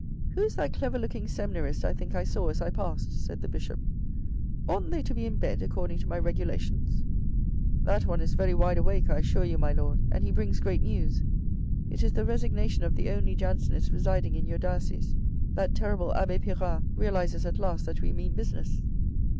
"Who is that clever looking seminarist I think I saw as I passed ?" said the Bishop. " Oughtn't they to be in bed according to my regulations." "That one is very wide awake I assure you, my Lord, and he brings great news. It is the resignation of the only Jansenist residing in your diocese, that terrible abbe Pirard realises at last that we mean business."